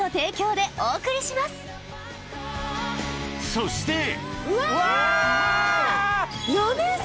そしてわ！